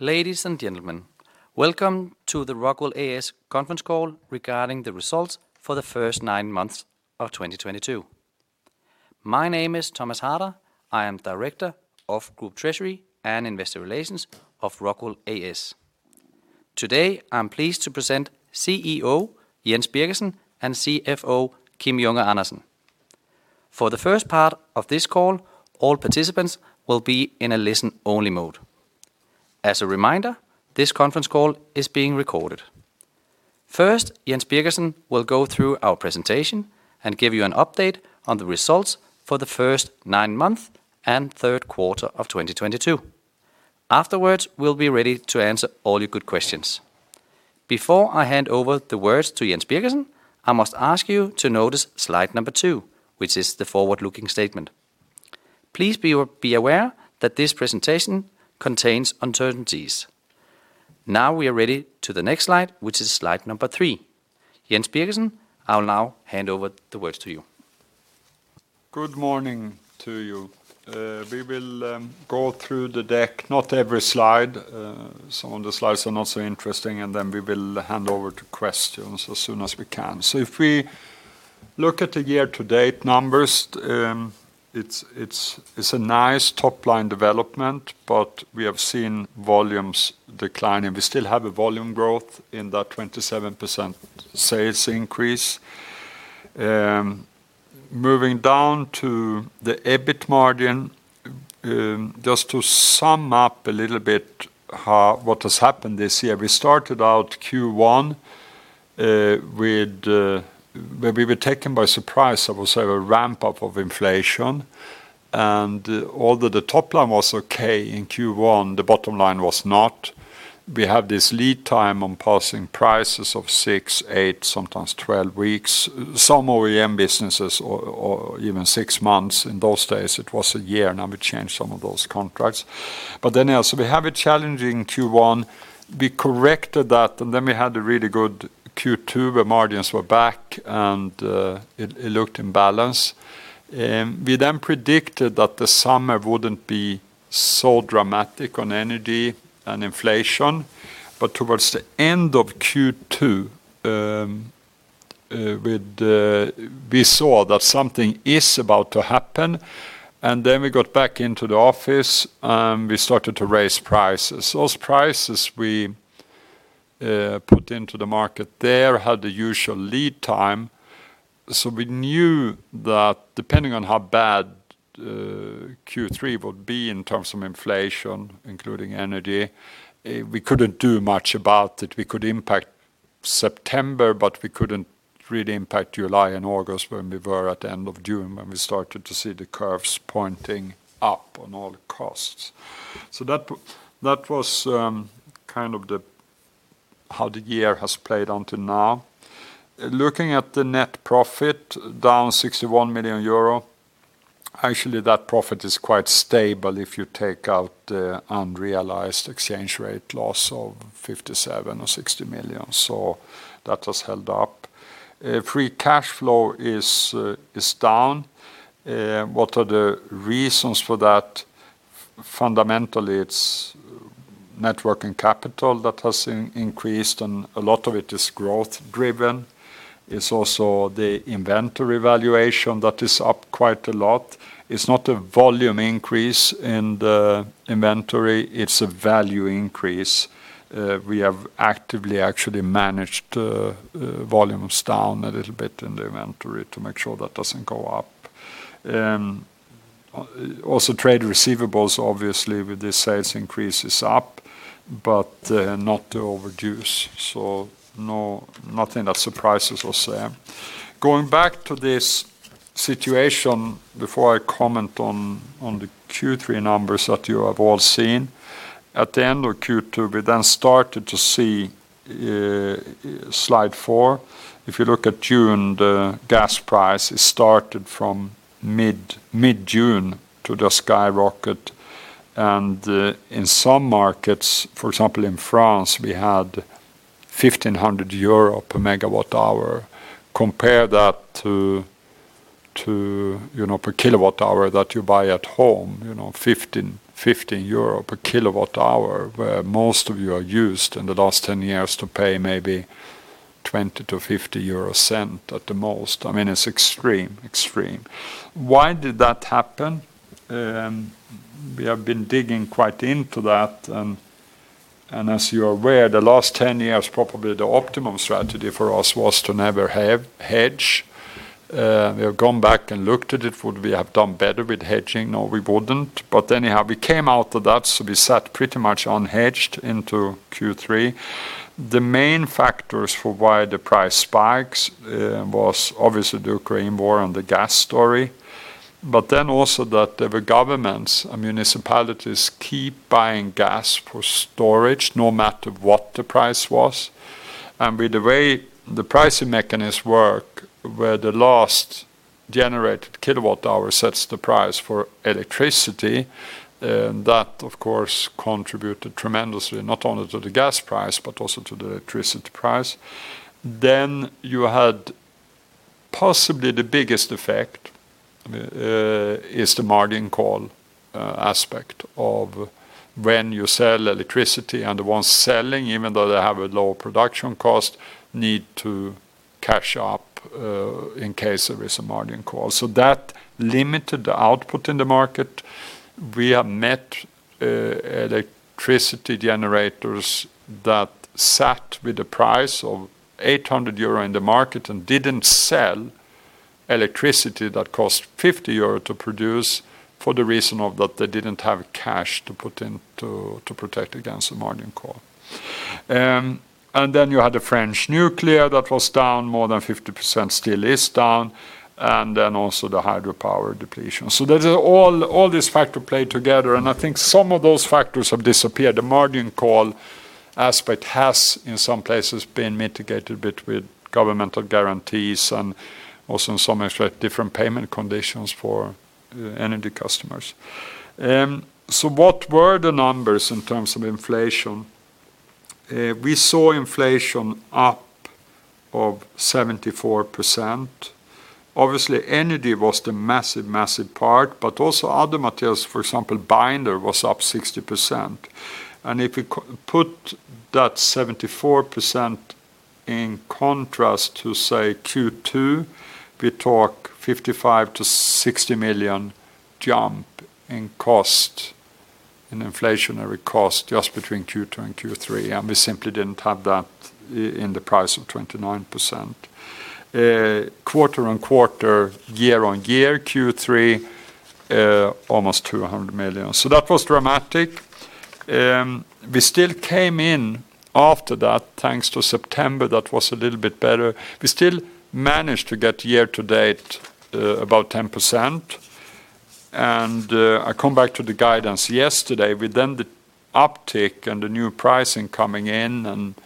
Ladies and gentlemen, welcome to the ROCKWOOL A/S conference call regarding the results for the first nine months of 2022. My name is Thomas Harder. I am Director of Group Treasury and Investor Relations of ROCKWOOL A/S. Today, I'm pleased to present CEO Jens Birgersson and CFO Kim Junge Andersen. For the first part of this call, all participants will be in a listen-only mode. As a reminder, this conference call is being recorded. First, Jens Birgersson will go through our presentation and give you an update on the results for the first nine months and third quarter of 2022. Afterwards, we'll be ready to answer all your good questions. Before I hand over the words to Jens Birgersson, I must ask you to notice slide two, which is the forward-looking statement. Please be aware that this presentation contains uncertainties. Now we are ready to the next slide, which is slide number three. Jens Birgersson, I'll now hand over the words to you. Good morning to you. We will go through the deck, not every slide. Some of the slides are not so interesting. We will hand over to questions as soon as we can. If we look at the year-to-date numbers, it's a nice top-line development, but we have seen volumes declining. We still have a volume growth in that 27% sales increase. Moving down to the EBIT margin, just to sum up a little bit what has happened this year, we started out Q1 with where we were taken by surprise, I will say, a ramp-up of inflation. Although the top line was okay in Q1, the bottom line was not. We have this lead time on passing prices of six, eight, sometimes 12 weeks, some OEM businesses or even six months. In those days, it was a year. Now we changed some of those contracts. We have a challenging Q1. We corrected that, and then we had a really good Q2 where margins were back, and it looked in balance. We predicted that the summer wouldn't be so dramatic on energy and inflation. Towards the end of Q2, we saw that something is about to happen, we got back into the office, and we started to raise prices. Those prices we put into the market there had the usual lead time. We knew that depending on how bad Q3 would be in terms of inflation, including energy, we couldn't do much about it. We could impact September, we couldn't really impact July and August when we were at the end of June, when we started to see the curves pointing up on all the costs. That was kind of the... how the year has played until now. Looking at the net profit, down 61 million euro. Actually, that profit is quite stable if you take out the unrealized exchange rate loss of 57 million or 60 million. That has held up. Free cash flow is down. What are the reasons for that? Fundamentally, it's networking capital that has increased, and a lot of it is growth driven. It's also the inventory valuation that is up quite a lot. It's not a volume increase in the inventory, it's a value increase. We have actively actually managed volumes down a little bit in the inventory to make sure that doesn't go up. Also trade receivables, obviously, with the sales increase is up, but not overdue. Nothing that surprises, we'll say. Going back to this situation before I comment on the Q3 numbers that you have all seen. At the end of Q2, we started to see slide four. If you look at June, the gas prices started from mid-June to just skyrocket. In some markets, for example, in France, we had 1,500 euro per MW hour. Compare that to, you know, per kilowatt hour that you buy at home, you know, 15 EUR per kilowatt hour, where most of you are used in the last 10 years to pay maybe 0.20 to 0.50 at the most. I mean, it's extreme. Extreme. Why did that happen? We have been digging quite into that, and as you are aware, the last 10 years, probably the optimum strategy for us was to never have hedge. We have gone back and looked at it. Would we have done better with hedging? No, we wouldn't. Anyhow, we came out of that, so we sat pretty much unhedged into Q3. The main factors for why the price spikes was obviously the Ukraine War and the gas story, also that the governments and municipalities keep buying gas for storage no matter what the price was. With the way the pricing mechanisms work, where the last generated kilowatt-hour sets the price for electricity, that of course contributed tremendously, not only to the gas price, but also to the electricity price. Possibly the biggest effect is the margin call aspect of when you sell electricity, the ones selling, even though they have a low production cost, need to cash up in case there is a margin call. That limited the output in the market. We have met electricity generators that sat with the price of 800 euro in the market and didn't sell electricity that cost 50 euro to produce for the reason of that they didn't have cash to put in to protect against the margin call. You had the French nuclear that was down more than 50%, still is down, also the hydropower depletion. There's all these factor play together, and I think some of those factors have disappeared. The margin call aspect has, in some places, been mitigated a bit with governmental guarantees and also in some extra different payment conditions for energy customers. What were the numbers in terms of inflation? We saw inflation up of 74%. Obviously, energy was the massive part, but also other materials, for example, binder was up 60%. If you put that 74% in contrast to, say, Q2, we talk 55 million-60 million jump in cost, in inflationary cost, just between Q2 and Q3, and we simply didn't have that in the price of 29%. Quarter on quarter, year-on-year, Q3, almost 200 million. That was dramatic. We still came in after that, thanks to September, that was a little bit better. We still managed to get year-to-date, about 10%. I come back to the guidance yesterday. With then the uptick and the new pricing coming in and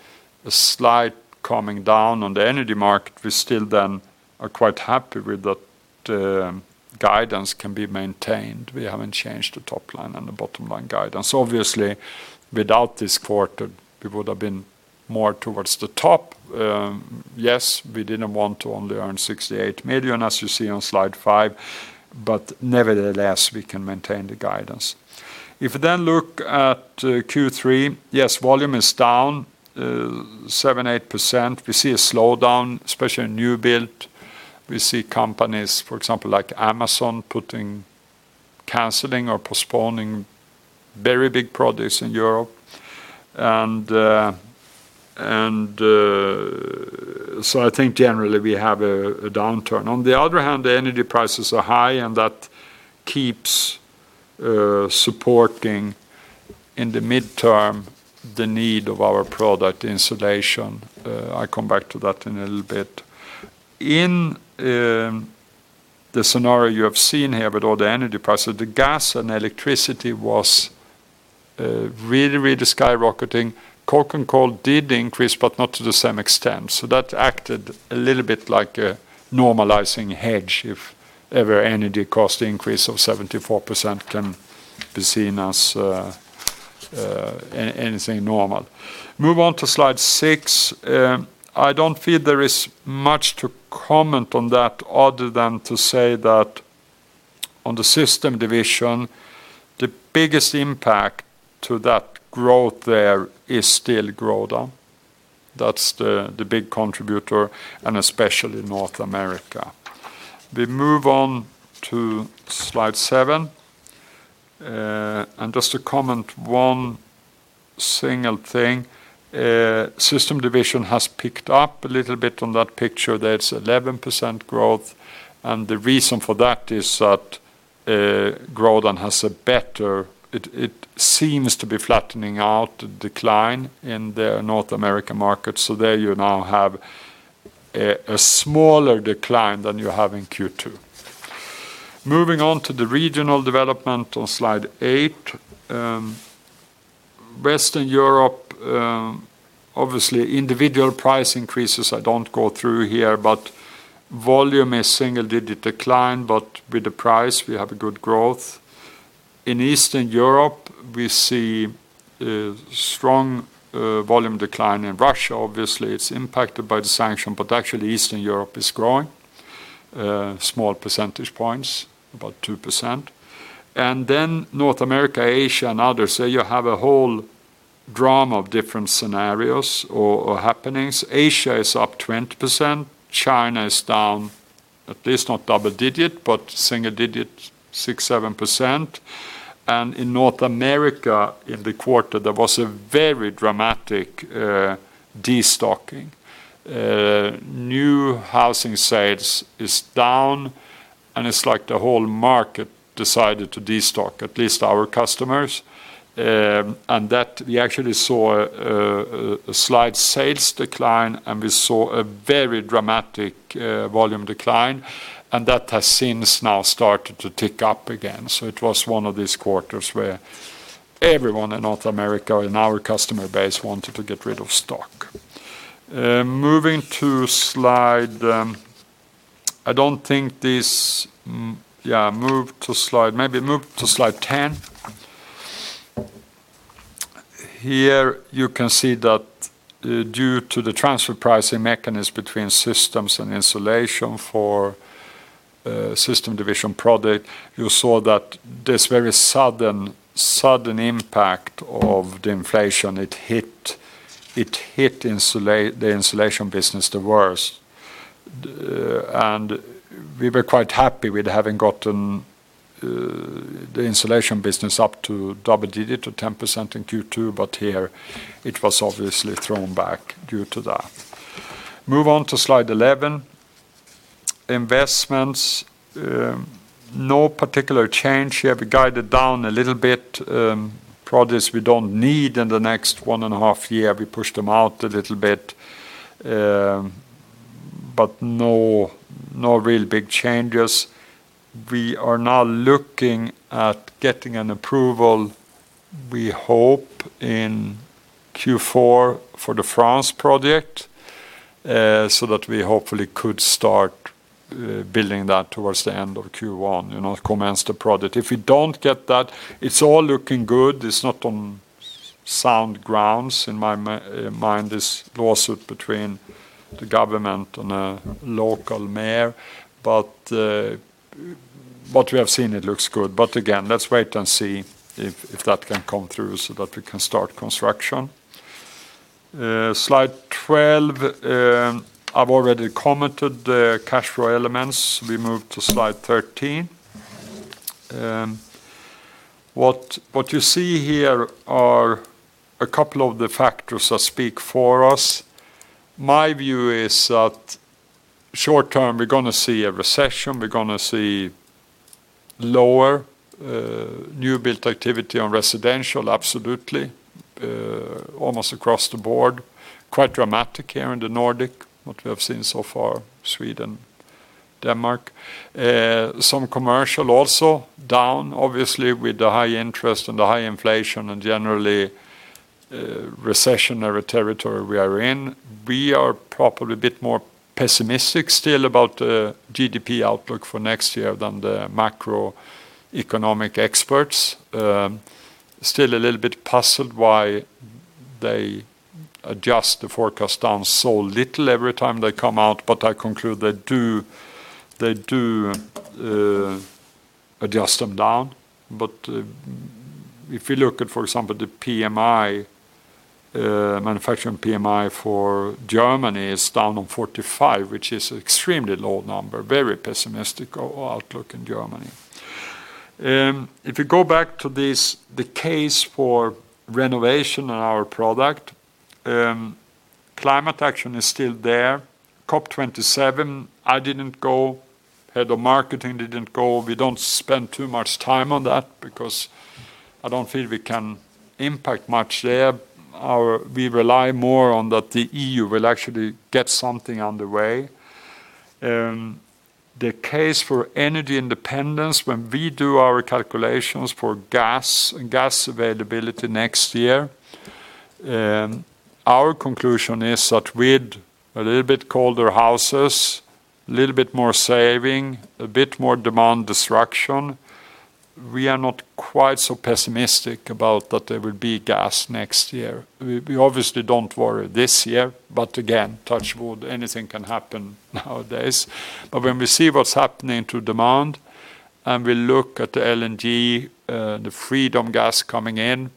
a slight calming down on the energy market, we still then are quite happy with that the guidance can be maintained. We haven't changed the top line and the bottom line guidance. Obviously, without this quarter, we would have been more towards the top. Yes, we didn't want to only earn 68 million, as you see on slide five, but nevertheless, we can maintain the guidance. If you then look at Q3, yes, volume is down 7%-8%. We see a slowdown, especially in new build. We see companies, for example, like Amazon, canceling or postponing very big projects in Europe. I think generally we have a downturn. On the other hand, the energy prices are high, and that keeps supporting in the midterm the need of our product insulation. I come back to that in a little bit. In the scenario you have seen here with all the energy prices, the gas and electricity was really skyrocketing. Coke and coal did increase, but not to the same extent. That acted a little bit like a normalizing hedge, if ever energy cost increase of 74% can be seen as anything normal. Move on to slide six. I don't feel there is much to comment on that other than to say that on the system division, the biggest impact to that growth there is still Grodan. That's the big contributor, and especially North America. We move on to slide seven. Just to comment one single thing. System division has picked up a little bit on that picture. That's 11% growth. The reason for that is that Grodan has a better... It seems to be flattening out the decline in the North American market. There you now have a smaller decline than you have in Q2. Moving on to the regional development on slide eight. Western Europe, obviously individual price increases, I don't go through here, volume is single-digit decline, but with the price, we have a good growth. In Eastern Europe, we see strong volume decline. In Russia, obviously, it's impacted by the sanction, but actually Eastern Europe is growing small percentage points, about 2%. North America, Asia, and others, you have a whole drama of different scenarios or happenings. Asia is up 20%. China is down, at least not double digit, but single digit, 6%, 7%. In North America, in the quarter, there was a very dramatic destocking. New housing sales is down, it's like the whole market decided to destock, at least our customers. That we actually saw a slight sales decline, we saw a very dramatic volume decline, that has since now started to tick up again. It was one of these quarters where everyone in North America in our customer base wanted to get rid of stock. Moving to slide. I don't think this... Yeah, move to slide. Maybe move to slide 10. Here you can see that due to the transfer pricing mechanism between systems and insulation for system division product, you saw that this very sudden impact of the inflation, it hit the insulation business the worst. We were quite happy with having gotten the insulation business up to double-digit to 10% in Q2, here it was obviously thrown back due to that. Move on to slide 11. Investments, no particular change here. We guided down a little bit, products we don't need in the next one and a half year, we pushed them out a little bit, no real big changes. We are now looking at getting an approval, we hope in Q4 for the France project, we hopefully could start building that towards the end of Q1, you know, commence the project. If we don't get that, it's all looking good. It's not on sound grounds in my mind, this lawsuit between the government and a local mayor. What we have seen, it looks good. Again, let's wait and see if that can come through so that we can start construction. Slide 12, I've already commented the cash flow elements. We move to slide 13. What you see here are a couple of the factors that speak for us. My view is that short term, we're gonna see a recession, we're gonna see lower new built activity on residential, absolutely, almost across the board. Quite dramatic here in the Nordic, what we have seen so far, Sweden, Denmark. Some commercial also down obviously with the high interest and the high inflation and generally, recessionary territory we are in. We are probably a bit more pessimistic still about the GDP outlook for next year than the macroeconomic experts. Still a little bit puzzled why they adjust the forecast down so little every time they come out. I conclude they do adjust them down. If you look at, for example, the PMI, manufacturing PMI for Germany is down on 45, which is extremely low number, very pessimistic outlook in Germany. If you go back to this, the case for renovation on our product, climate action is still there. COP27, I didn't go, head of marketing didn't go. We don't spend too much time on that because I don't feel we can impact much there. We rely more on that the EU will actually get something on the way. The case for energy independence, when we do our calculations for gas and gas availability next year, our conclusion is that with a little bit colder houses, a little bit more saving, a bit more demand destruction, we are not quite so pessimistic about that there will be gas next year. We obviously don't worry this year, but again, touch wood, anything can happen nowadays. When we see what's happening to demand, and we look at the LNG, the freedom gas coming in,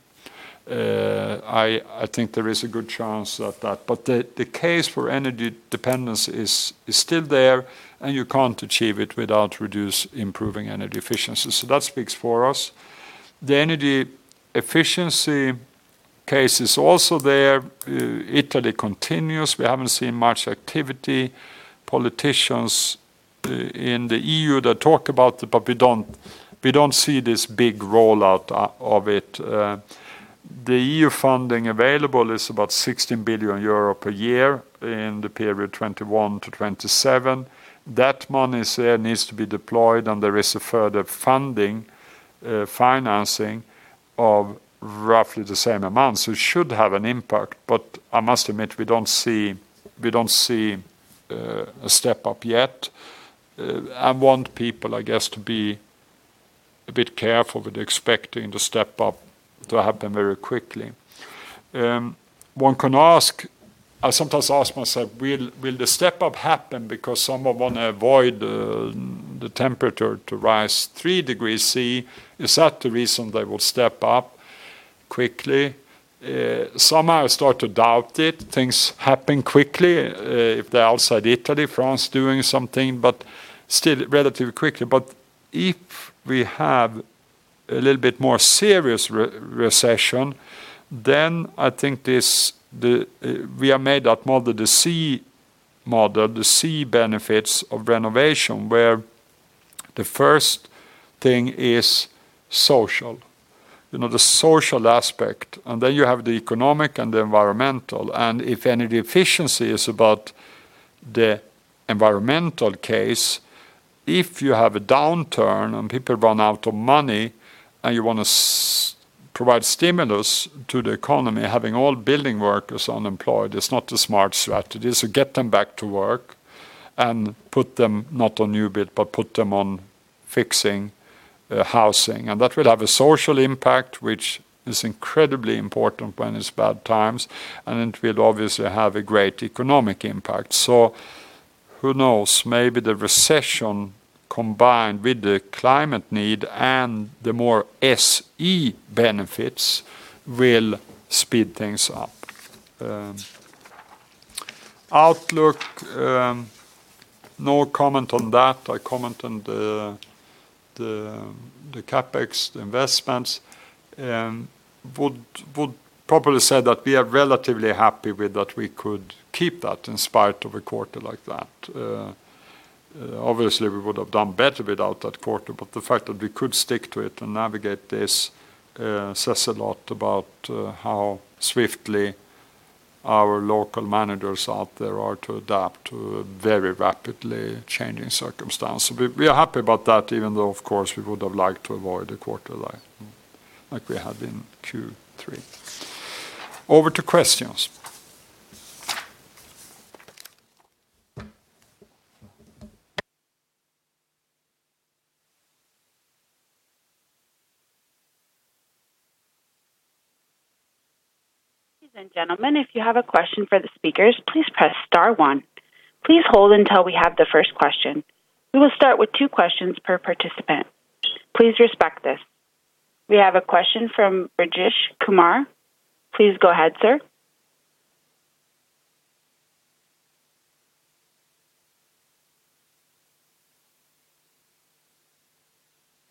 I think there is a good chance of that. The case for energy dependence is still there, and you can't achieve it without reduce improving energy efficiency. That speaks for us. The energy efficiency case is also there. Italy continues. We haven't seen much activity. Politicians in the EU, they talk about it, but we don't see this big rollout of it. The EU funding available is about 16 billion euro per year in the period 2021-2027. That money needs to be deployed, and there is a further funding financing of roughly the same amount, so it should have an impact. I must admit, we don't see a step up yet. I want people, I guess, to be a bit careful with expecting the step up to happen very quickly. I sometimes ask myself, will the step up happen because someone wanna avoid the temperature to rise 3 degrees Celsius? Is that the reason they will step up quickly? Somehow I start to doubt it. Things happen quickly, if they're outside Italy, France doing something, but still relatively quickly. If we have a little bit more serious recession, then I think this, the, we are made up more the C model, the C benefits of renovation, where the first thing is social, you know, the social aspect, and then you have the economic and the environmental. If energy efficiency is about the environmental case, if you have a downturn and people run out of money, and you wanna provide stimulus to the economy, having all building workers unemployed is not a smart strategy. Get them back to work and put them not on new build, but put them on fixing housing, and that will have a social impact, which is incredibly important when it's bad times, and it will obviously have a great economic impact. Who knows? Maybe the recession combined with the climate need and the more SE benefits will speed things up. outlook, no comment on that. I comment on the CapEx investments, would probably say that we are relatively happy with that we could keep that in spite of a quarter like that. obviously we would have done better without that quarter, but the fact that we could stick to it and navigate this, says a lot about how swiftly our local managers out there are to adapt to a very rapidly changing circumstance. We are happy about that, even though of course, we would have liked to avoid a quarter like we had in Q3. Over to questions. Ladies and gentlemen, if you have a question for the speakers, please press star one. Please hold until we have the first question. We will start with two questions per participant. Please respect this. We have a question from Brijesh Kumar. Please go ahead, sir.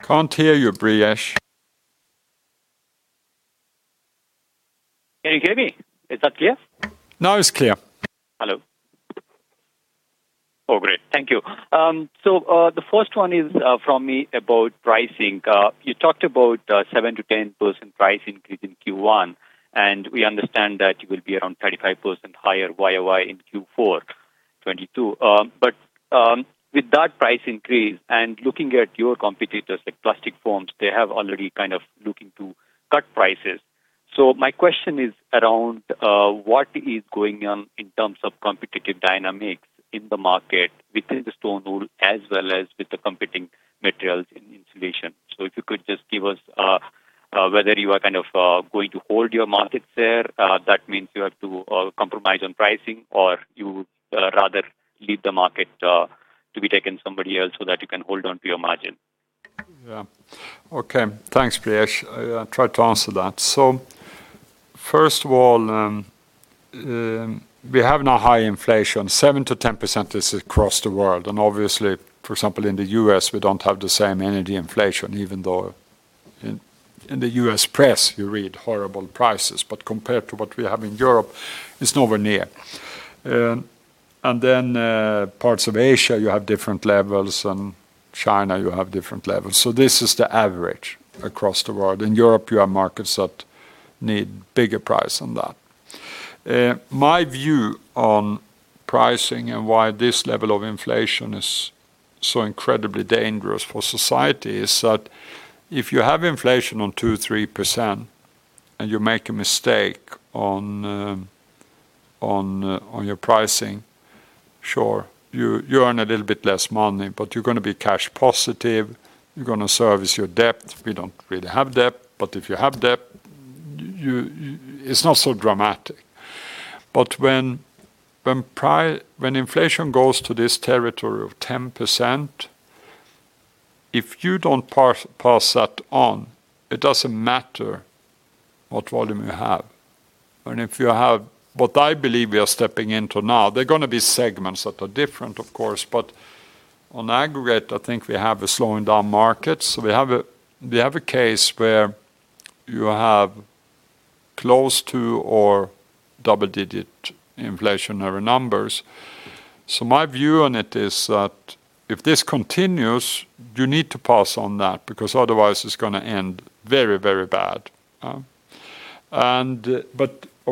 Can't hear you, Brijesh. Can you hear me? Is that clear? Now it's clear. Hello. Oh, great. Thank you. The first one is from me about pricing. You talked about 7%-10% price increase in Q1, and we understand that you will be around 35% higher YOY in Q4 2022. With that price increase and looking at your competitors like plastic foams, they have already kind of looking to cut prices. My question is around what is going on in terms of competitive dynamics in the market within the stone wool as well as with the competing materials in insulation? If you could just give us whether you are kind of going to hold your market share, that means you have to compromise on pricing, or you would rather leave the market to be taken somebody else so that you can hold on to your margin. Yeah. Okay. Thanks, Brijesh. I tried to answer that. First of all, we have now high inflation. 7%-10% is across the world, and obviously for example, in the U.S. we don't have the same energy inflation even though in the U.S. press you read horrible prices, but compared to what we have in Europe, it's nowhere near. Then, parts of Asia you have different levels, and China you have different levels. This is the average across the world. In Europe, you have markets that need bigger price than that. My view on pricing and why this level of inflation is so incredibly dangerous for society is that if you have inflation on 2%, 3% and you make a mistake on your pricing, sure, you earn a little bit less money, but you're gonna be cash positive, you're gonna service your debt. We don't really have debt. If you have debt, it's not so dramatic. When inflation goes to this territory of 10%, if you don't pass that on, it doesn't matter what volume you have. If you have what I believe we are stepping into now, there are gonna be segments that are different of course, but on aggregate, I think we have a slowing down market. We have a case where you have close to or double-digit inflationary numbers. My view on it is that if this continues, you need to pass on that because otherwise it's gonna end very, very bad.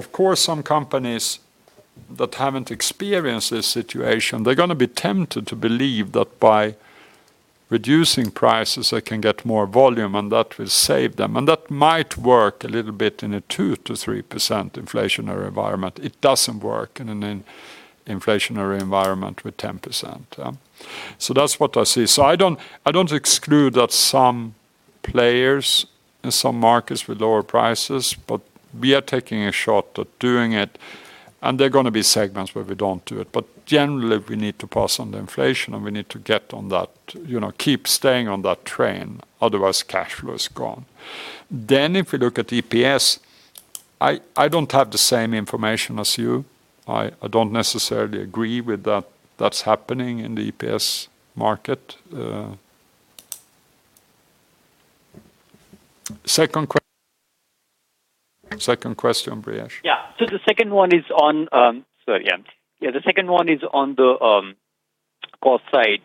Of course some companies that haven't experienced this situation, they're gonna be tempted to believe that by reducing prices they can get more volume and that will save them, and that might work a little bit in a 2%-3% inflationary environment. It doesn't work in an in-inflationary environment with 10%. That's what I see. I don't exclude that some players in some markets with lower prices, but we are taking a shot at doing it, and there are gonna be segments where we don't do it. Generally, we need to pass on the inflation, and we need to get on that, you know, keep staying on that train, otherwise cash flow is gone. If we look at EPS, I don't have the same information as you. I don't necessarily agree with that's happening in the EPS market. Second question, Brijesh. Sorry. Yeah, the second one is on the cost side.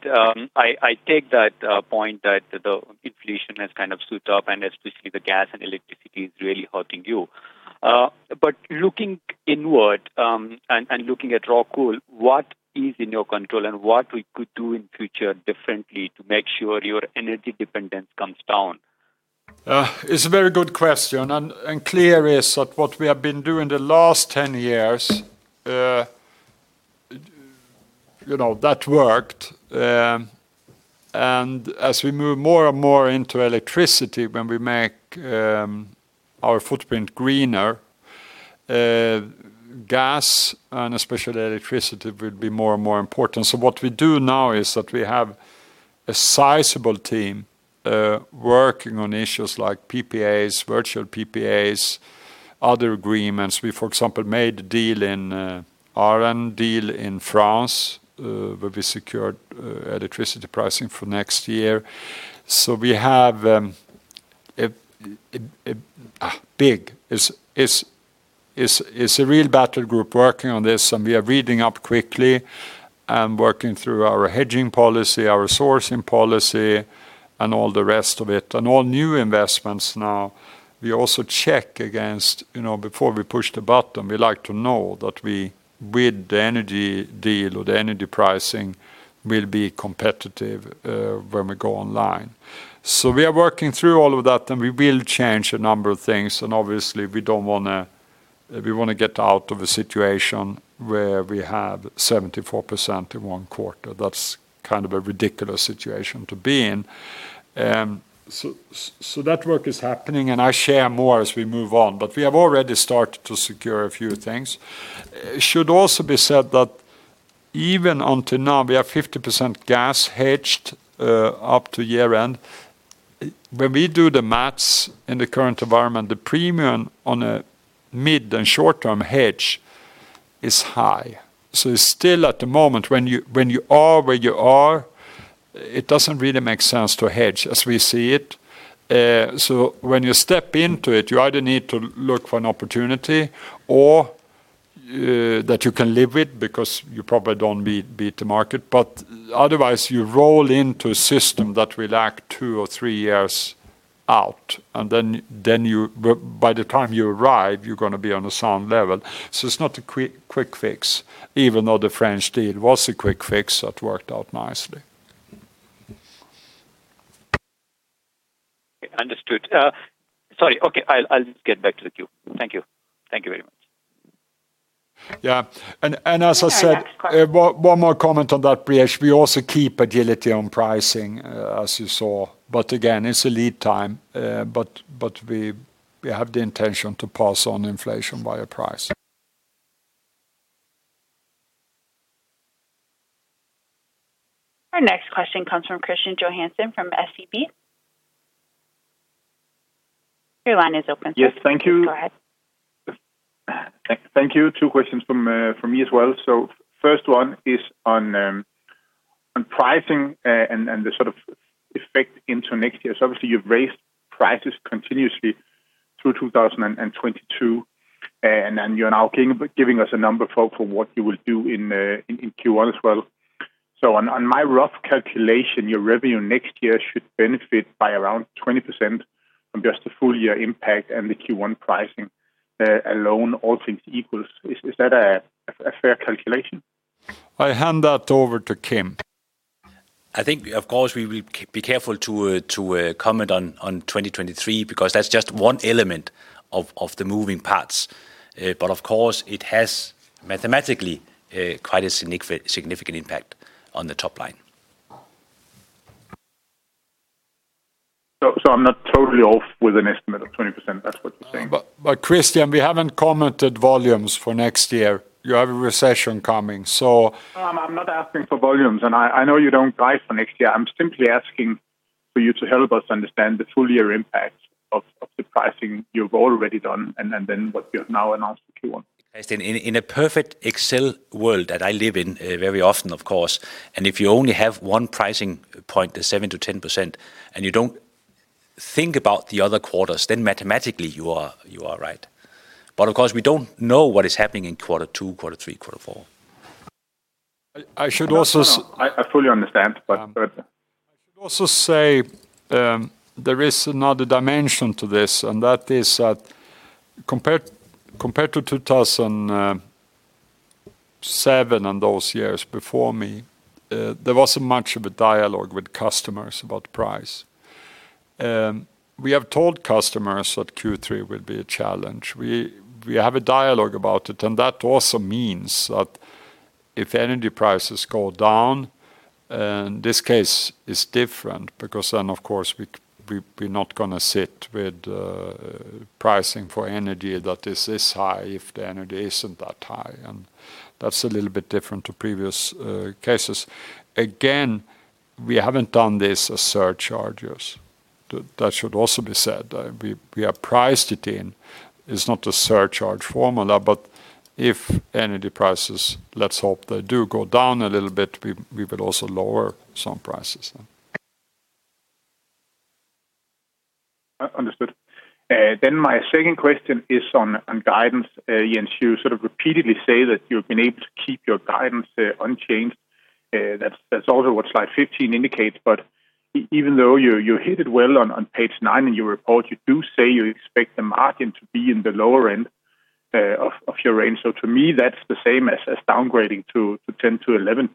I take that point that the inflation has kind of suit up and especially the gas and electricity is really hurting you. Looking inward, and looking at Rockwool, what is in your control and what we could do in future differently to make sure your energy dependence comes down? It's a very good question. Clear is that what we have been doing the last 10 years, you know, that worked. As we move more and more into electricity, when we make our footprint greener, gas and especially electricity will be more and more important. What we do now is that we have a sizable team working on issues like PPAs, virtual PPAs, other agreements. We, for example, made a deal in ARENH, deal in France, where we secured electricity pricing for next year. We have a big, it's a real battle group working on this, and we are reading up quickly and working through our hedging policy, our sourcing policy, and all the rest of it. All new investments now, we also check against, you know, before we push the button, we like to know that we, with the energy deal or the energy pricing will be competitive when we go online. We are working through all of that, and we will change a number of things. Obviously we wanna get out of a situation where we have 74% in one quarter. That's kind of a ridiculous situation to be in. So that work is happening, and I share more as we move on. We have already started to secure a few things. It should also be said that even until now, we have 50% gas hedged up to year-end. When we do the math in the current environment, the premium on a mid and short-term hedge is high. It's still at the moment when you, when you are where you are, it doesn't really make sense to hedge as we see it. When you step into it, you either need to look for an opportunity or that you can live with because you probably don't beat the market. Otherwise, you roll into a system that will act two or three years out, and then, but by the time you arrive, you're gonna be on a sound level. It's not a quick fix, even though the French deal was a quick fix that worked out nicely. Understood. Sorry. Okay, I'll just get back to the queue. Thank you. Thank you very much. Yeah. As I said. Next question. One more comment on that, Brijesh, we also keep agility on pricing, as you saw. Again, it's a lead time. We have the intention to pass on inflation via price. Our next question comes from Kristian Johansen from SEB. Your line is open, sir. Yes. Thank you. Please go ahead. Thank you. Two questions from me as well. First one is on pricing and the sort of effect into next year. Obviously you've raised prices continuously through 2022, and then you're now giving us a number for what you will do in Q1 as well. On my rough calculation, your revenue next year should benefit by around 20% from just the full year impact and the Q1 pricing alone, all things equals. Is that a fair calculation? I hand that over to Kim. I think of course, we will be careful to comment on 2023 because that's just one element of the moving parts. Of course it has mathematically quite a significant impact on the top line. I'm not totally off with an estimate of 20%, that's what you're saying? Kristian, we haven't commented volumes for next year. You have a recession coming, so... No, I'm not asking for volumes, and I know you don't guide for next year. I'm simply asking for you to help us understand the full year impact of the pricing you've already done and then what you have now announced in Q1. Kristian, in a perfect Excel world that I live in, very often, of course, if you only have one pricing point that's 7%-10%, and you don't think about the other quarters, then mathematically you are right. Of course, we don't know what is happening in quarter two, quarter three, quarter four. I should also. I fully understand. I should also say, there is another dimension to this. That is that compared to 2007 and those years before me, there wasn't much of a dialogue with customers about price. We have told customers that Q3 will be a challenge. We have a dialogue about it. That also means that if energy prices go down, this case is different because then of course we're not gonna sit with pricing for energy that is this high if the energy isn't that high, and that's a little bit different to previous cases. Again, we haven't done this as surcharges. That should also be said. We have priced it in. It's not a surcharge formula. If energy prices, let's hope they do go down a little bit, we will also lower some prices. Understood. Then my second question is on guidance. Jens, you sort of repeatedly say that you've been able to keep your guidance unchanged. That's also what slide 15 indicates. Even though you hit it well on page nine in your report, you do say you expect the margin to be in the lower end of your range. To me that's the same as downgrading to 10%-11%.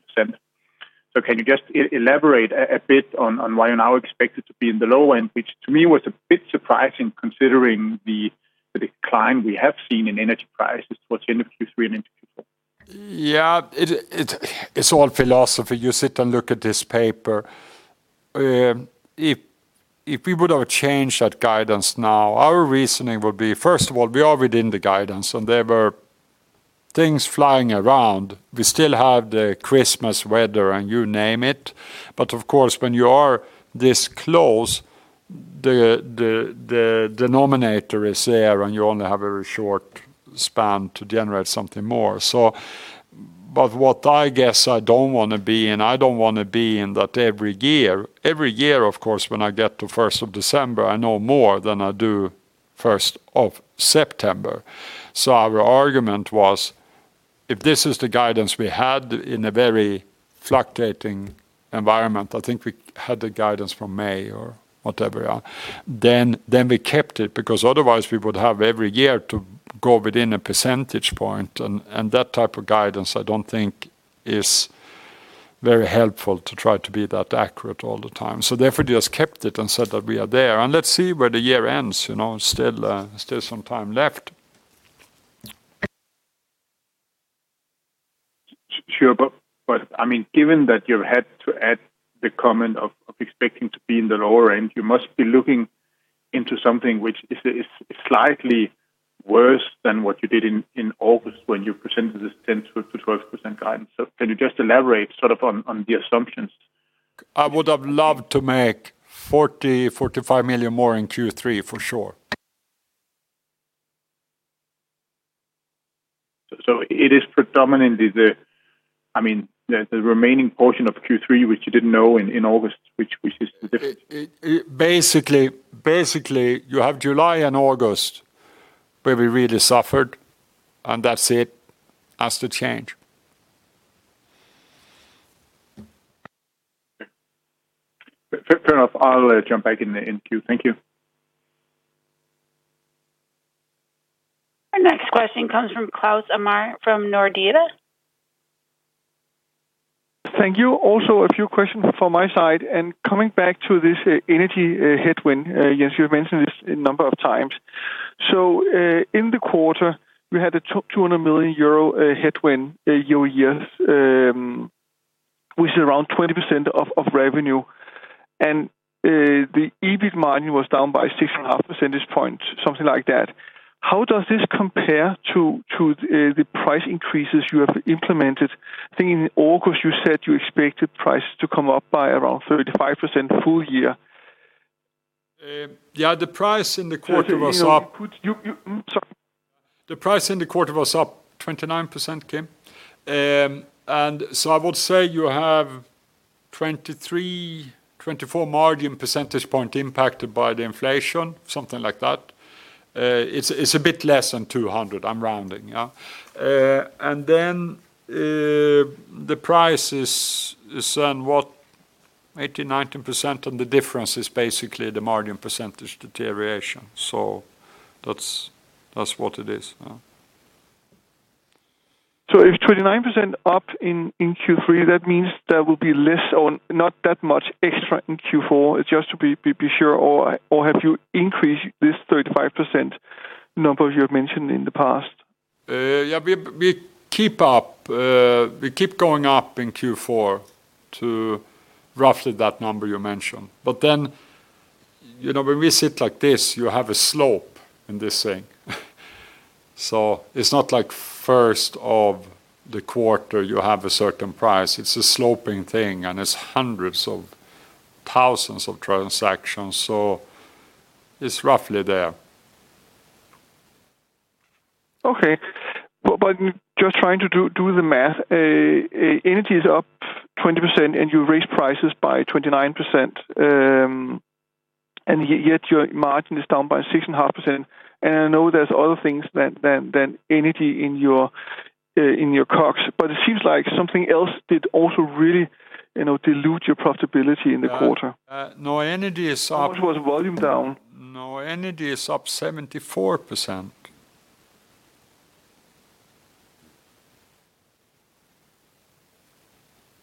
Can you just elaborate a bit on why you now expect it to be in the low end, which to me was a bit surprising considering the decline we have seen in energy prices towards the end of Q3 and into Q4? Yeah. It's all philosophy. You sit and look at this paper. If we would have changed that guidance now, our reasoning would be, first of all, we are within the guidance, and there were things flying around. We still have the Christmas weather, and you name it. Of course, when you are this close, the denominator is there, and you only have a very short span to generate something more. What I guess I don't wanna be, and I don't wanna be in that every year, of course, when I get to first of December, I know more than I do first of September. Our argument was, if this is the guidance we had in a very fluctuating environment, I think we had the guidance from May or whatever, yeah. We kept it because otherwise we would have every year to go within a percentage point, and that type of guidance I don't think is very helpful to try to be that accurate all the time. Therefore, we just kept it and said that we are there, and let's see where the year ends. You know, still some time left. Sure. I mean, given that you had to add the comment of expecting to be in the lower end, you must be looking into something which is slightly worse than what you did in August when you presented this 10%-12% guidance. Can you just elaborate sort of on the assumptions? I would have loved to make 40 million-45 million more in Q3 for sure. It is predominantly I mean, the remaining portion of Q3, which you didn't know in August, which is different. Basically, you have July and August where we really suffered, That's it. Has to change. Fair enough. I'll jump back in the queue. Thank you. Our next question comes from Claus Almer from Nordea. Thank you. A few questions from my side. Coming back to this energy headwind, yes, you've mentioned this a number of times. In the quarter, we had a 200 million euro headwind year-over-year, which is around 20% of revenue. The EBIT margin was down by 6.5 percentage points, something like that. How does this compare to the price increases you have implemented? I think in August you said you expected prices to come up by around 35% full year. Yeah, the price in the quarter was up-. Sorry. The price in the quarter was up 29%, Kim. I would say you have 23, 24 margin percentage point impacted by the inflation, something like that. It's a bit less than 200. I'm rounding, yeah. The price is then what? 80%, 90%, the difference is basically the margin percentage deterioration. That's what it is. Yeah. If 29% up in Q3, that means there will be less or not that much extra in Q4, just to be sure. Have you increased this 35% number you have mentioned in the past? Yeah, we keep up. We keep going up in Q4 to roughly that number you mentioned. Then, you know, when we sit like this, you have a slope in this thing. It's not like first of the quarter you have a certain price. It's a sloping thing, and it's hundreds of thousands of transactions. It's roughly there. Okay. Just trying to do the math, energy is up 20%, you raise prices by 29%, yet your margin is down by 6.5%. I know there's other things than energy in your costs, it seems like something else did also really, you know, dilute your profitability in the quarter. No, energy is up. How much was volume down? No, energy is up 74%.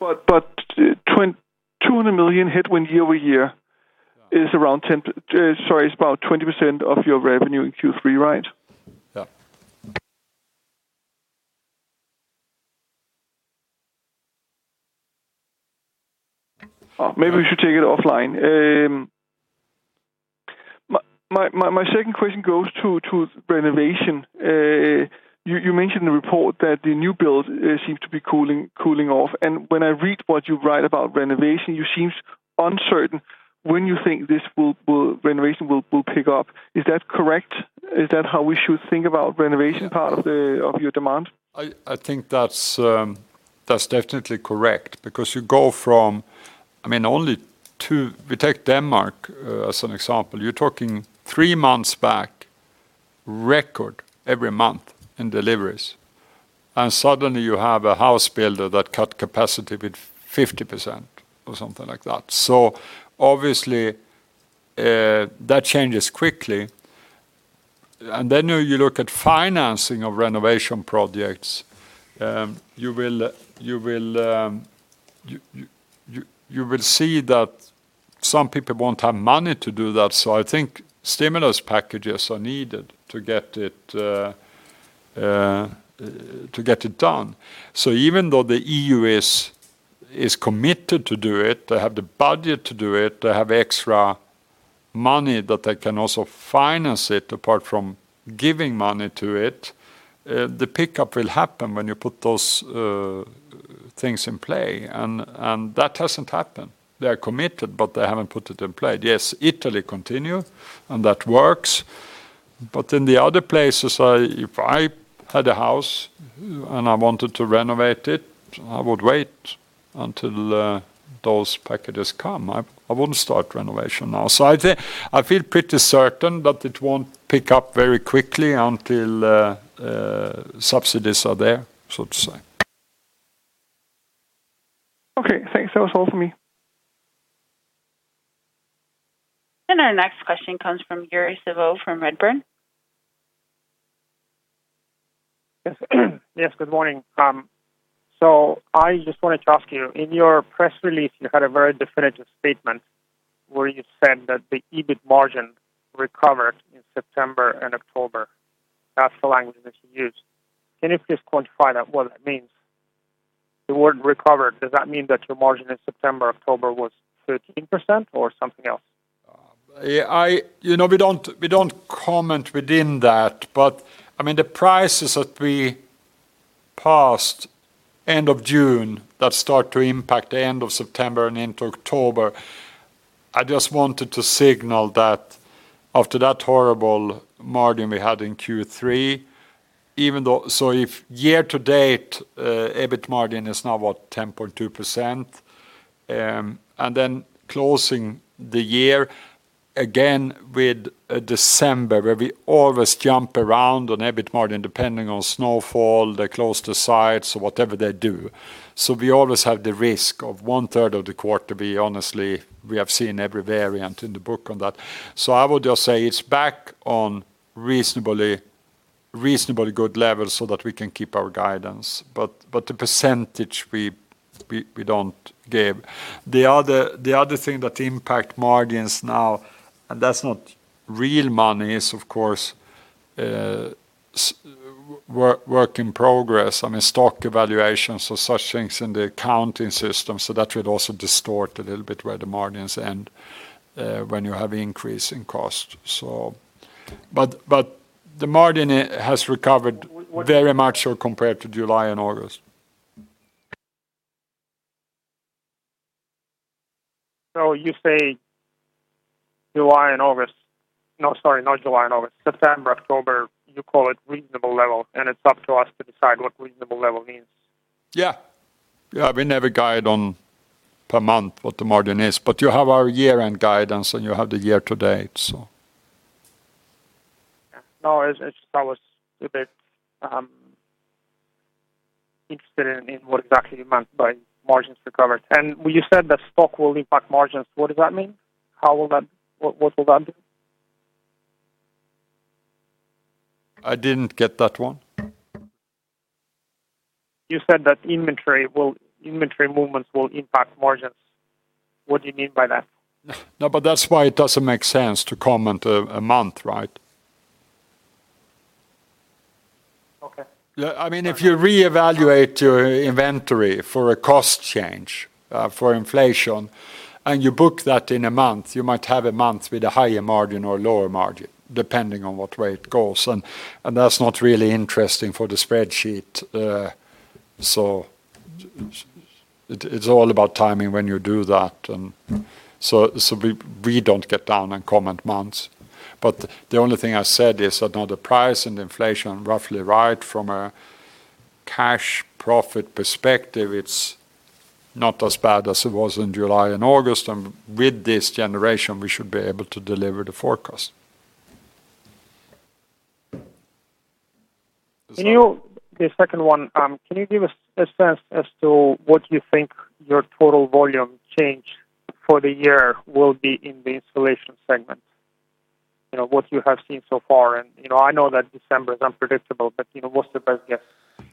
EUR 200 million headwind year-over-year is about 20% of your revenue in Q3, right? Yeah. Maybe we should take it offline. My second question goes to renovation. You mentioned in the report that the new build seems to be cooling off. When I read what you write about renovation, you seems uncertain when you think this renovation will pick up. Is that correct? Is that how we should think about renovation part of your demand? I think that's definitely correct because you go from... I mean, only two. We take Denmark as an example. You're talking three months back, record every month in deliveries, and suddenly you have a house builder that cut capacity with 50% or something like that. Obviously, that changes quickly. Then you look at financing of renovation projects, you will see that some people won't have money to do that. I think stimulus packages are needed to get it to get it done. Even though the EU is committed to do it, they have the budget to do it, they have extra money that they can also finance it apart from giving money to it, the pickup will happen when you put those things in play, and that hasn't happened. They are committed, they haven't put it in play. Yes, Italy continue, and that works. In the other places, if I had a house and I wanted to renovate it, I would wait until those packages come. I wouldn't start renovation now. I feel pretty certain that it won't pick up very quickly until subsidies are there, so to say. Okay, thanks. That was all for me. Our next question comes from Yuri Serov from Redburn. Yes. Yes, good morning. I just wanted to ask you, in your press release, you had a very definitive statement where you said that the EBIT margin recovered in September and October. That's the language that you used. Can you please quantify that, what it means? The word recovered, does that mean that your margin in September, October was 13% or something else? Yeah, you know, we don't comment within that. I mean, the prices that we passed end of June that start to impact the end of September and into October, I just wanted to signal that after that horrible margin we had in Q3, if year to date, EBIT margin is now what? 10.2%. Closing the year again with December, where we always jump around on EBIT margin depending on snowfall, they close the sites or whatever they do. We always have the risk of one-third of the quarter be honestly, we have seen every variant in the book on that. I would just say it's back on reasonably good levels so that we can keep our guidance. But the percentage we don't give. The other thing that impact margins now, and that's not real money, is of course, work in progress. I mean, stock evaluations or such things in the accounting system. That should also distort a little bit where the margins end, when you have increase in cost. The margin has recovered very much so compared to July and August. You say July and August. No, sorry, not July and August. September, October, you call it reasonable level, and it's up to us to decide what reasonable level means. Yeah, we never guide on per month what the margin is, but you have our year-end guidance, and you have the year-to-date, so. No, it's I was a bit interested in what exactly you meant by margins recovered. You said that stock will impact margins. What does that mean? What will that do? I didn't get that one. You said that Inventory movements will impact margins. What do you mean by that? No, that's why it doesn't make sense to comment a month, right? Okay. Yeah. I mean, if you reevaluate your inventory for a cost change, for inflation, and you book that in a month, you might have a month with a higher margin or a lower margin, depending on what way it goes. That's not really interesting for the spreadsheet. So it's all about timing when you do that. So we don't get down and comment months. The only thing I said is that now the price and inflation roughly right from a cash profit perspective, it's not as bad as it was in July and August. With this generation, we should be able to deliver the forecast. The second one, can you give us a sense as to what you think your total volume change for the year will be in the installation segment? You know, what you have seen so far. You know, I know that December is unpredictable, but, you know, what's the best guess?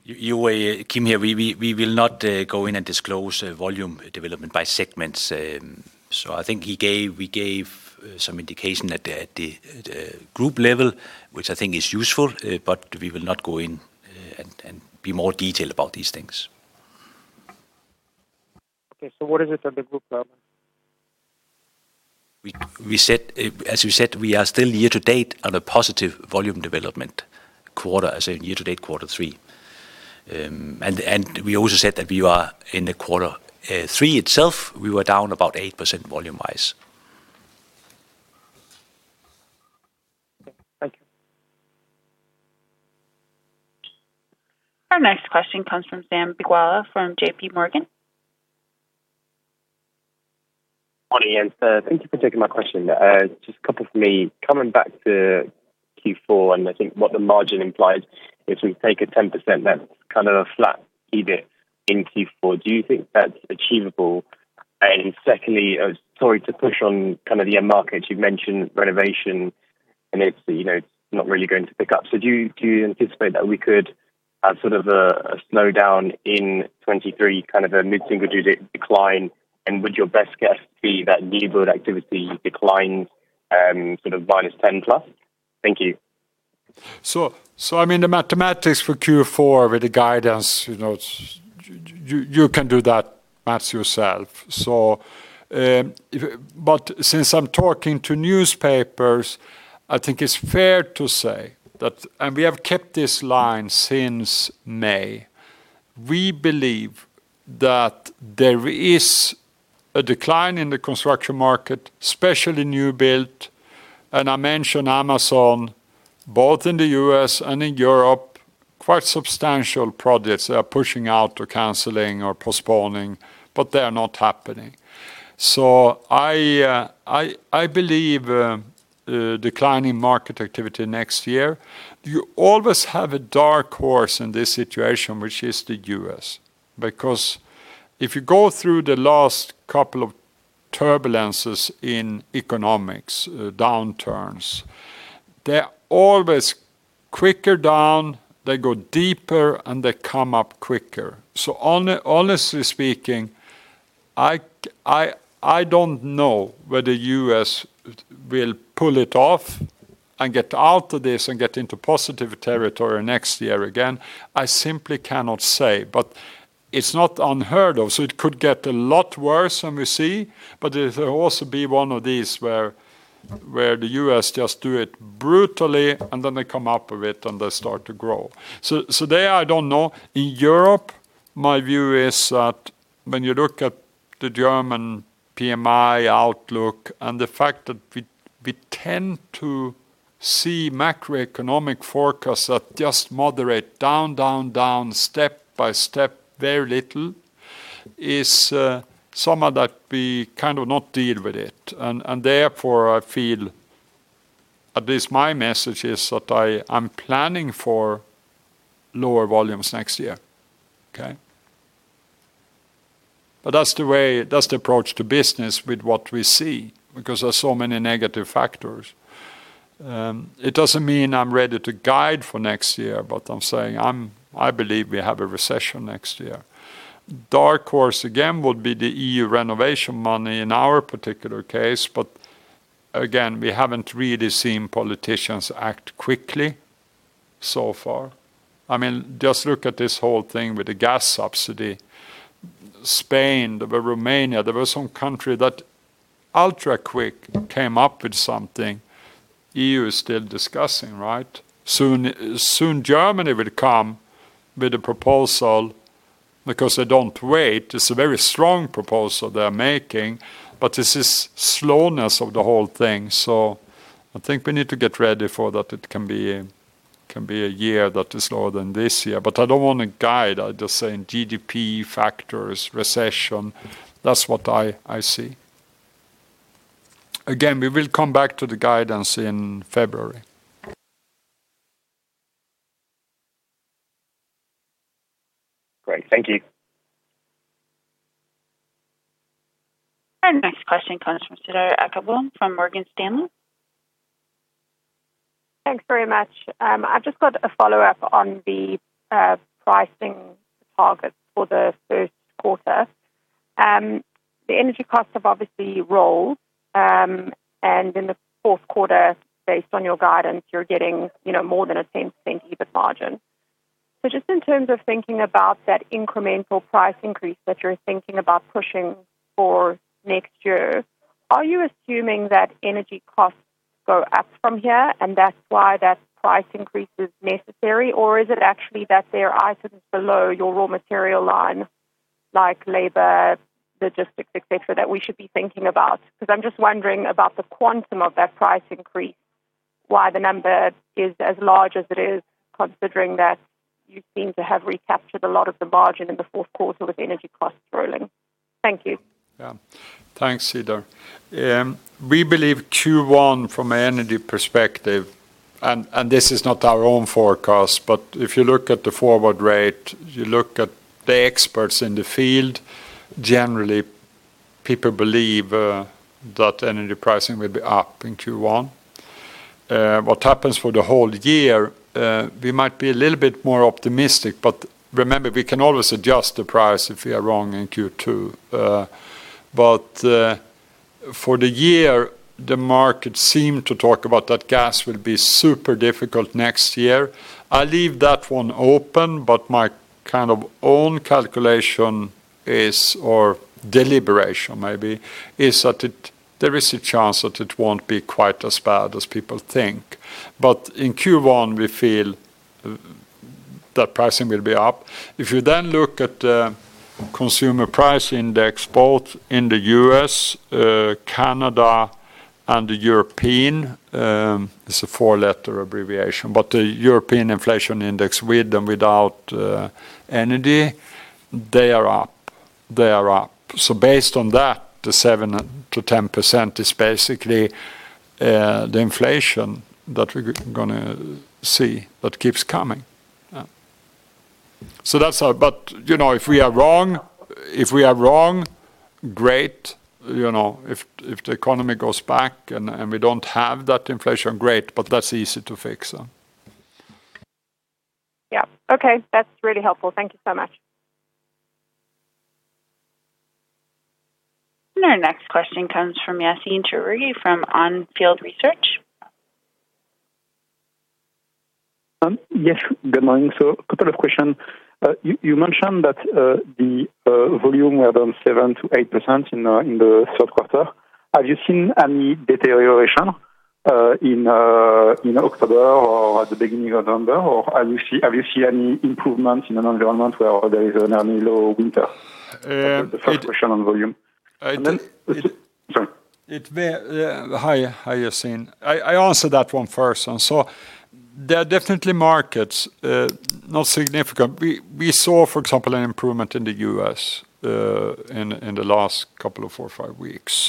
You, Kim here. We will not go in and disclose volume development by segments. I think we gave some indication at the group level, which I think is useful, but we will not go in and be more detailed about these things. Okay. What is it at the group level? We said as we said, we are still year-to-date on a positive volume development quarter as in year-to-date quarter three. We also said that we are in the quarter three itself, we were down about 8% volume-wise. Thank you. Our next question comes from Zaim Beekawa from JPMorgan. Morning, thank you for taking my question. Just a couple for me. Coming back to Q4, I think what the margin implies, if we take a 10%, that's kind of a flat EBIT in Q4. Do you think that's achievable? Secondly, sorry to push on kind of the end market. You've mentioned renovation, it's, you know, not really going to pick up. Do you anticipate that we could have sort of a slowdown in 2023, kind of a mid-single digit decline? Would your best guess be that new build activity declines, sort of -10%+? Thank you. I mean, the mathematics for Q4 with the guidance, you know, you can do that math yourself. Since I'm talking to newspapers, I think it's fair to say that, and we have kept this line since May, we believe that there is a decline in the construction market, especially new build. I mentioned Amazon, both in the U.S. and in Europe, quite substantial projects are pushing out or canceling or postponing, but they are not happening. I believe declining market activity next year. You always have a dark horse in this situation, which is the U.S. If you go through the last couple of turbulences in economics, downturns, they're always quicker down, they go deeper, and they come up quicker. Honestly speaking, I don't know whether U.S. will pull it off and get out of this and get into positive territory next year again. I simply cannot say, but it's not unheard of, so it could get a lot worse than we see. It'll also be one of these where the U.S. just do it brutally, and then they come up with it, and they start to grow. There, I don't know. In Europe, my view is that when you look at the German PMI outlook and the fact that we tend to see macroeconomic forecasts that just moderate down, down, step by step, very little, is some of that we kind of not deal with it. Therefore, I feel at least my message is that I'm planning for lower volumes next year. Okay? That's the way, that's the approach to business with what we see, because there's so many negative factors. It doesn't mean I'm ready to guide for next year, but I'm saying I believe we have a recession next year. Dark horse, again, would be the EU renovation money in our particular case. Again, we haven't really seen politicians act quickly so far. I mean, just look at this whole thing with the gas subsidy. Spain, there were Romania, there were some country that ultra quick came up with something EU is still discussing, right? Soon, Germany will come with a proposal because they don't wait. It's a very strong proposal they are making, but it's this slowness of the whole thing. I think we need to get ready for that. It can be a year that is lower than this year. I don't want to guide. I'm just saying GDP factors, recession, that's what I see. Again, we will come back to the guidance in February. Great. Thank you. Our next question comes from Cedar Ekblom from Morgan Stanley. Thanks very much. I've just got a follow-up on the pricing targets for the first quarter. The energy costs have obviously rolled, in the fourth quarter, based on your guidance, you're getting, you know, more than a 10% EBIT margin. Just in terms of thinking about that incremental price increase that you're thinking about pushing for next year, are you assuming that energy costs go up from here and that's why that price increase is necessary? Is it actually that there are items below your raw material line, like labor, logistics, et cetera, that we should be thinking about? Because I'm just wondering about the quantum of that price increase, why the number is as large as it is, considering that you seem to have recaptured a lot of the margin in the fourth quarter with energy costs rolling. Thank you. Yeah. Thanks, Cedar. We believe Q1 from an energy perspective, and this is not our own forecast, but if you look at the forward rate, you look at the experts in the field, generally people believe that energy pricing will be up in Q1. What happens for the whole year, we might be a little bit more optimistic, remember, we can always adjust the price if we are wrong in Q2. For the year, the market seem to talk about that gas will be super difficult next year. I'll leave that one open, but my kind of own calculation is, or deliberation maybe, is that there is a chance that it won't be quite as bad as people think. In Q1 we feel that pricing will be up. You then look at Consumer Price Index, both in the U.S., Canada, and the European, it's a four-letter abbreviation, but the European inflation index with and without energy, they are up. They are up. Based on that, the 7%-10% is basically the inflation that we're gonna see that keeps coming. You know, if we are wrong, great. You know, if the economy goes back and we don't have that inflation, great. That's easy to fix. Yeah. Okay. That's really helpful. Thank you so much. Our next question comes from Yassine Touahri from On Field Research. Yes, good morning. A couple of questions. You mentioned that the volume were down 7%-8% in the third quarter. Have you seen any deterioration in October or at the beginning of November, or have you seen any improvements in an environment where there is an early low winter? The first question on volume. It- Sorry. Yeah. Hi, Yassine. I answer that one first. There are definitely markets, not significant. We saw, for example, an improvement in the U.S. in the last couple of four or five weeks.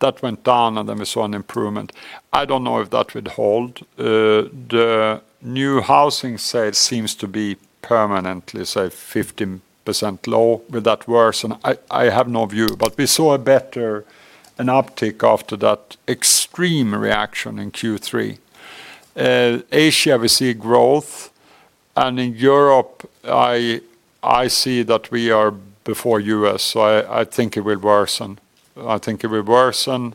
That went down, and then we saw an improvement. I don't know if that would hold. The new housing sales seems to be permanently, say, 15% low with that worse. I have no view. We saw an uptick after that extreme reaction in Q3. Asia, we see growth. In Europe, I see that we are before U.S. I think it will worsen. I think it will worsen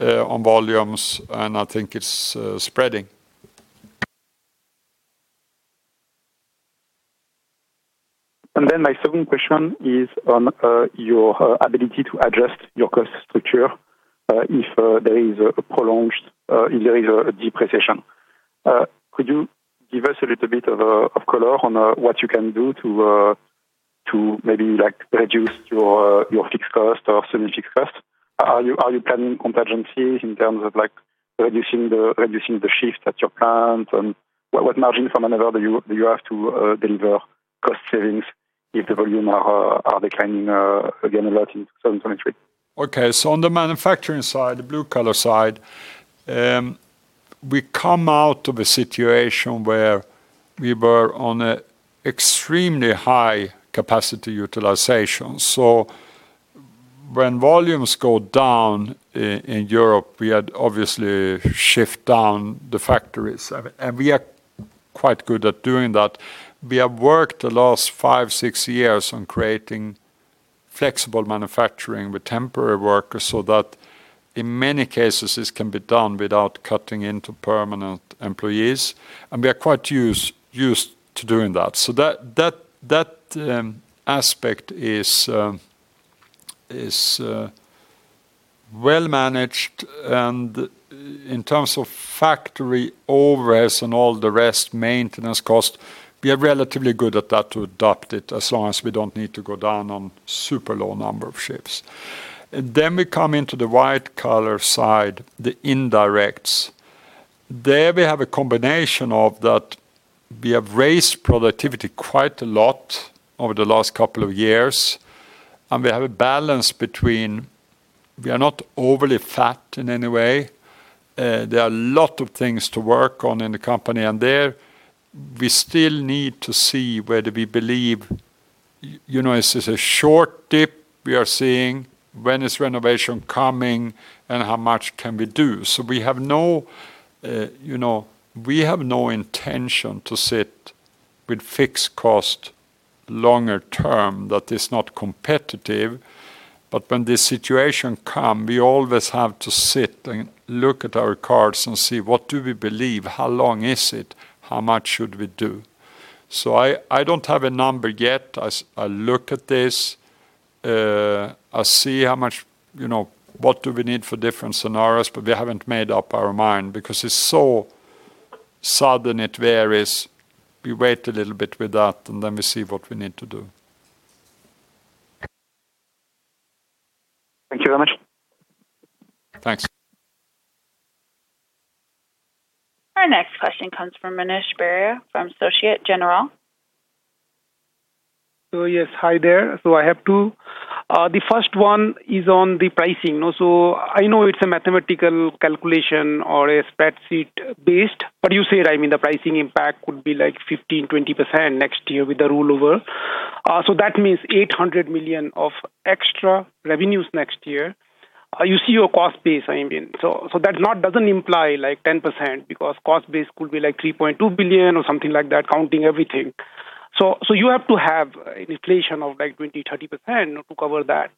on volumes, and I think it's spreading. My second question is on your ability to adjust your cost structure if there is a prolonged, if there is a deep recession. Could you give us a little bit of color on what you can do to maybe, like, reduce your fixed cost or semi-fixed cost? Are you planning contingencies in terms of, like, reducing the shifts at your plant? What margin from another do you have to deliver cost savings if the volume are declining again a lot in 2023? Okay. On the manufacturing side, the blue-collar side, we come out of a situation where we were on a extremely high capacity utilization. When volumes go down in Europe, we had obviously shift down the factories. We are quite good at doing that. We have worked the last five, six years on creating flexible manufacturing with temporary workers, so that in many cases this can be done without cutting into permanent employees. We are quite used to doing that. That aspect is well managed. In terms of factory overalls and all the rest, maintenance cost, we are relatively good at that to adopt it as long as we don't need to go down on super low number of shifts. We come into the white-collar side, the indirects. There we have a combination of that we have raised productivity quite a lot over the last couple of years, and we have a balance between we are not overly fat in any way. There are a lot of things to work on in the company. There we still need to see whether we believe, you know, is this a short dip we are seeing? When is renovation coming, and how much can we do? We have no, you know, we have no intention to sit with fixed cost longer term that is not competitive. When the situation come, we always have to sit and look at our cards and see what do we believe, how long is it, how much should we do? I don't have a number yet. I look at this, I see how much, you know, what do we need for different scenarios, but we haven't made up our mind because it's so sudden, it varies. We wait a little bit with that, and then we see what we need to do. Thank you very much. Thanks. Our next question comes from Manish Beria from Societe Generale. Yes, hi there. I have two. The first one is on the pricing. I know it's a mathematical calculation or a spreadsheet based, but you said, I mean, the pricing impact would be like 15%-20% next year with the rollover. That means 800 million of extra revenues next year. You see your cost base, I mean. That lot doesn't imply like 10% because cost base could be like 3.2 billion or something like that, counting everything. You have to have an inflation of like 20%-30% to cover that.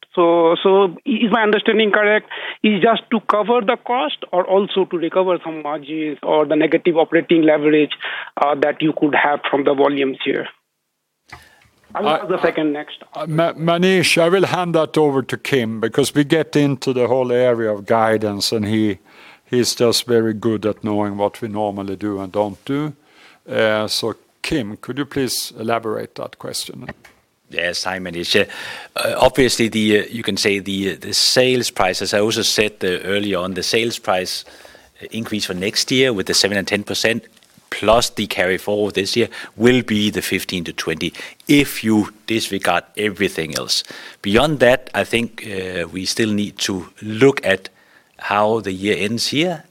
Is my understanding correct? Is just to cover the cost or also to recover from margins or the negative operating leverage that you could have from the volumes here? I'll have the second next. Manish, I will hand that over to Kim because we get into the whole area of guidance, and he's just very good at knowing what we normally do and don't do. Kim, could you please elaborate that question? Yes. Hi, Manish. Obviously the sales prices. I also said early on, the sales price increase for next year with the 7% and 10% plus the carry forward this year will be the 15%-20% if you disregard everything else. Beyond that, I think, we still need to look at how the year ends here,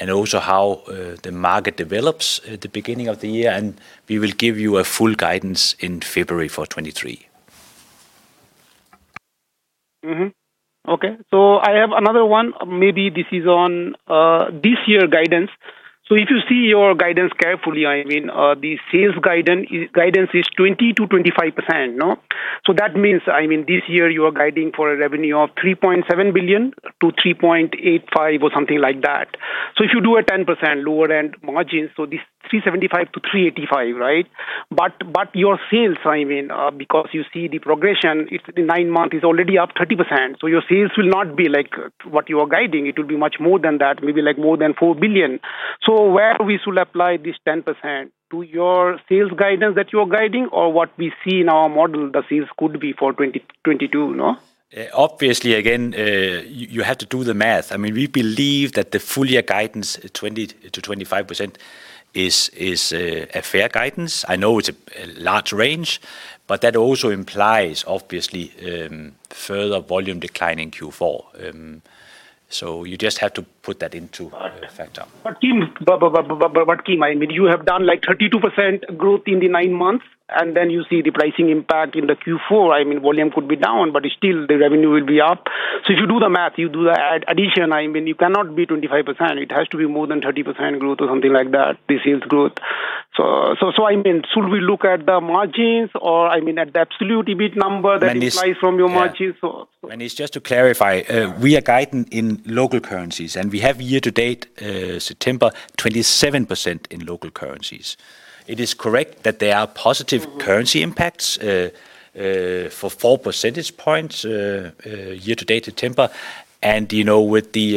and also how the market develops at the beginning of the year, and we will give you a full guidance in February for 2023. Okay. I have another one, maybe this is on this year guidance. If you see your guidance carefully, I mean, the sales guidance is 20%-25%, no. That means, I mean, this year you are guiding for a revenue of 3.7 billion-3.85 billion or something like that. If you do a 10% lower end margin, this 3.75 billion-3.85 billion, right. Your sales, I mean, because you see the progression, if the nine-month is already up 30%, your sales will not be like what you are guiding. It will be much more than that, maybe like more than 4 billion. Where we should apply this 10%, to your sales guidance that you are guiding or what we see in our model the sales could be for 2022, no? Obviously, again, you have to do the math. I mean, we believe that the full year guidance at 20%-25% is a fair guidance. I know it's a large range, but that also implies obviously, further volume decline in Q4. You just have to put that into factor. Kim, I mean, you have done like 32% growth in the nine months, and then you see the pricing impact in the Q4. I mean, volume could be down, but still the revenue will be up. If you do the math, you do the addition, I mean, you cannot be 25%. It has to be more than 30% growth or something like that, the sales growth. I mean, should we look at the margins or, I mean, at the absolute EBIT number- It's- -implies from your margins or- It's just to clarify, we are guiding in local currencies, and we have year-to-date September, 27% in local currencies. It is correct that there are positive currency impacts for four percentage points year-to-date September. You know, with the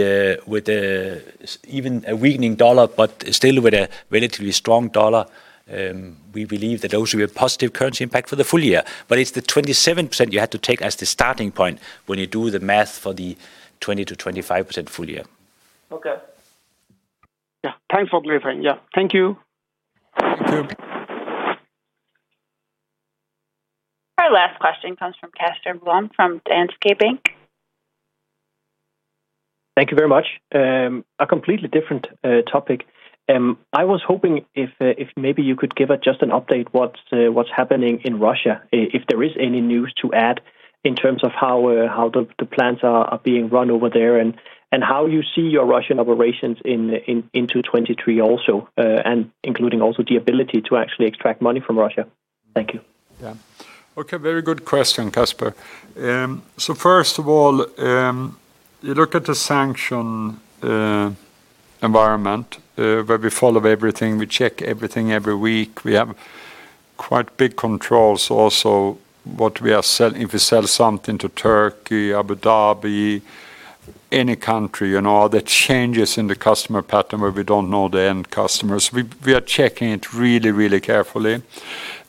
even a weakening dollar, but still with a relatively strong dollar, we believe that those will be a positive currency impact for the full year. It's the 27% you have to take as the starting point when you do the math for the 20%-25% full year. Okay. Yeah. Thanks for clearing. Yeah. Thank you. Thank you. Our last question comes from Casper Blom from Danske Bank. Thank you very much. A completely different topic. I was hoping if maybe you could give just an update what's what's happening in Russia, if there is any news to add in terms of how the plants are being run over there, and how you see your Russian operations into 2023 also, and including also the ability to actually extract money from Russia. Thank you. Yeah. Okay. Very good question, Casper. First of all, you look at the sanction environment, where we follow everything, we check everything every week. We have quite big controls also if we sell something to Turkey, Abu Dhabi, any country, you know, the changes in the customer pattern where we don't know the end customers. We are checking it really, really carefully.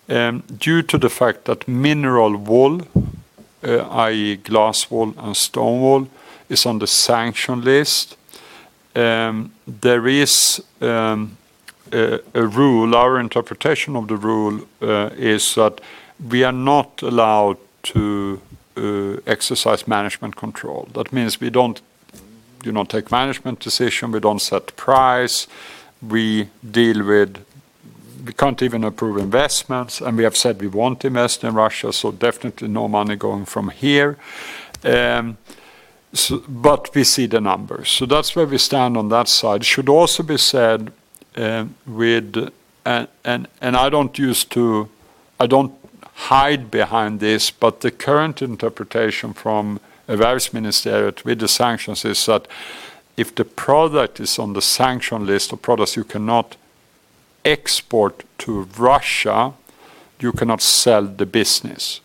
Due to the fact that mineral wool, i.e. glass wool and stone wool, is on the sanction list, there is a rule. Our interpretation of the rule is that we are not allowed to exercise management control. That means we don't, you know, take management decision, we don't set price, we deal with... We can't even approve investments, and we have said we won't invest in Russia, so definitely no money going from here. We see the numbers. That's where we stand on that side. Should also be said, with and I don't hide behind this. The current interpretation from various ministry with the sanctions is that if the product is on the sanction list of products you cannot export to Russia, you cannot sell the business.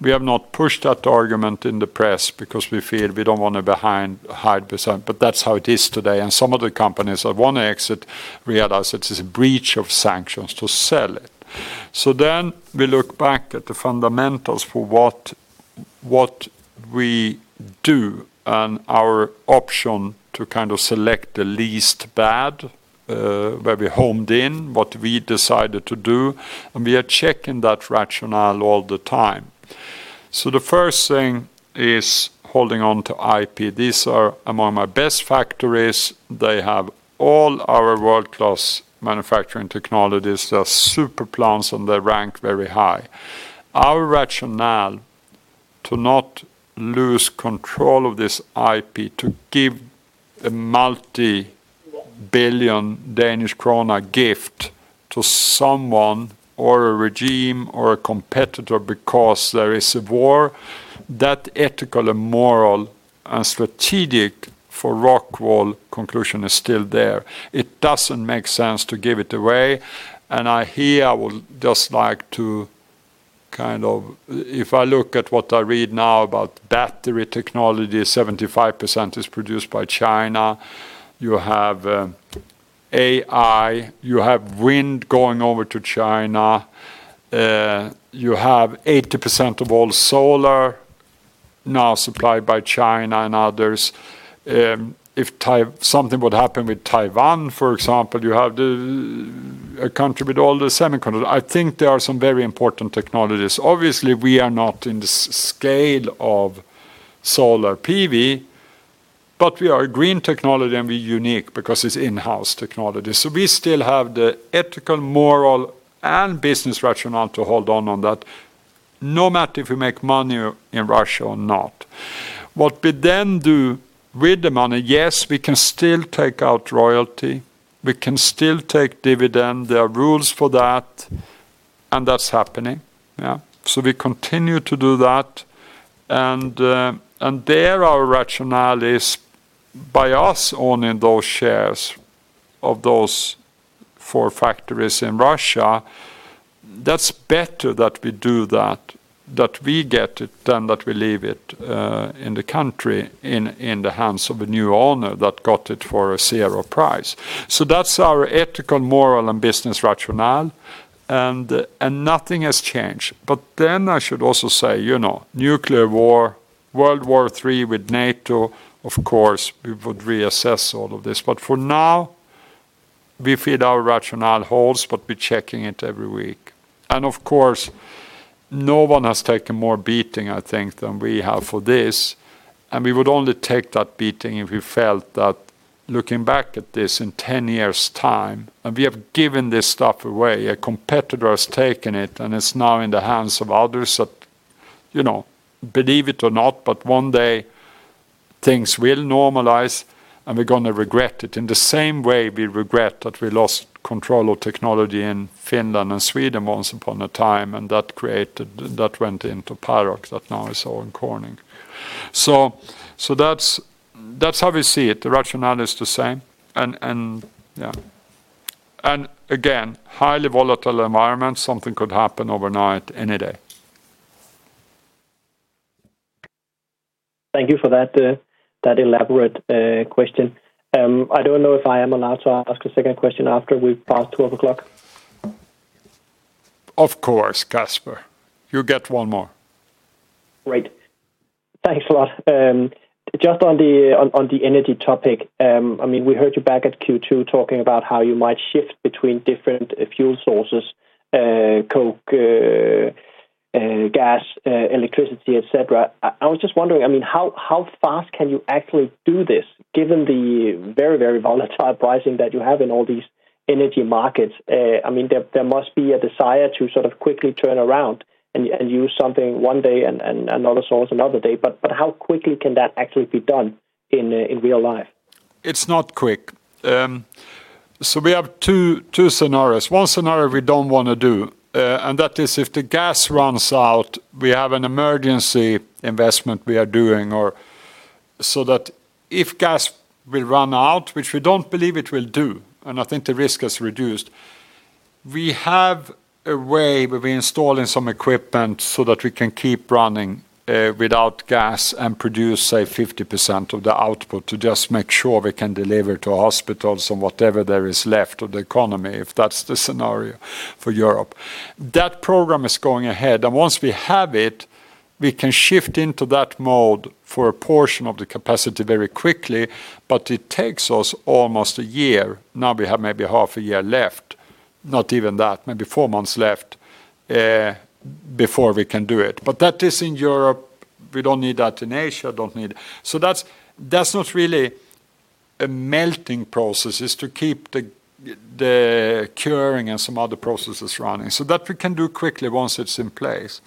We have not pushed that argument in the press because we feel we don't wanna hide beside, but that's how it is today. Some of the companies that wanna exit, we advise it is a breach of sanctions to sell it. We look back at the fundamentals for what we do and our option to select the least bad, where we homed in what we decided to do, and we are checking that rationale all the time. The first thing is holding on to IP. These are among my best factories. They have all our world-class manufacturing technologies. They're super plants, and they rank very high. Our rationale to not lose control of this IP to give a multi-billion Danish kroner gift to someone or a regime or a competitor because there is a war, that ethical and moral and strategic for ROCKWOOL conclusion is still there. It doesn't make sense to give it away. If I look at what I read now about battery technology, 75% is produced by China. You have AI, you have wind going over to China, you have 80% of all solar now supplied by China and others. If something would happen with Taiwan, for example, you have the country with all the semiconductors. I think there are some very important technologies. Obviously, we are not in the scale of solar PV, but we are a green technology, and we're unique because it's in-house technology. We still have the ethical, moral, and business rationale to hold on on that, no matter if we make money in Russia or not. What we then do with the money, yes, we can still take out royalty. We can still take dividend. There are rules for that, and that's happening. Yeah. We continue to do that, and there our rationale is by us owning those shares of those four factories in Russia, that's better that we do that we get it than that we leave it in the country in the hands of a new owner that got it for a zero price. That's our ethical, moral, and business rationale, and nothing has changed. I should also say, you know, nuclear war, World War III with NATO, of course, we would reassess all of this. For now, we feel our rationale holds, but we're checking it every week. Of course, no one has taken more beating, I think, than we have for this. We would only take that beating if we felt that looking back at this in 10 years' time, and we have given this stuff away, a competitor has taken it, and it's now in the hands of others that. You know, believe it or not, one day things will normalize, and we're gonna regret it in the same way we regret that we lost control of technology in Finland and Sweden once upon a time, and that went into Paroc that now is Owens Corning. That's how we see it. The rationale is the same. Yeah. Again, highly volatile environment, something could happen overnight any day. Thank you for that elaborate, question. I don't know if I am allowed to ask a second question after we've passed 12:00. Of course, Casper. You'll get one more. Great. Thanks a lot. Just on the energy topic, I mean, we heard you back at Q2 talking about how you might shift between different fuel sources, coke, gas, electricity, et cetera. I was just wondering, I mean, how fast can you actually do this given the very, very volatile pricing that you have in all these energy markets? I mean, there must be a desire to sort of quickly turn around and use something one day and other source another day, but how quickly can that actually be done in real life? It's not quick. We have two scenarios. One scenario we don't wanna do, that is if the gas runs out, we have an emergency investment we are doing so that if gas will run out, which we don't believe it will do, I think the risk is reduced. We have a way where we're installing some equipment so that we can keep running without gas and produce, say, 50% of the output to just make sure we can deliver to hospitals and whatever there is left of the economy, if that's the scenario for Europe. That program is going ahead. Once we have it, we can shift into that mode for a portion of the capacity very quickly. It takes us almost a year. Now we have maybe half a year left, not even that, maybe 4 months left, before we can do it. That is in Europe. We don't need that in Asia, don't need. That's not really a melting process. It's to keep the curing and some other processes running. That we can do quickly once it's in place.